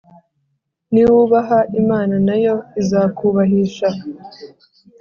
niwubaha imana nayo izakubahisha